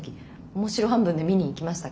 面白半分で見に行きましたから。